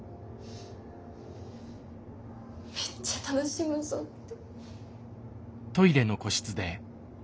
めっちゃ楽しむぞって。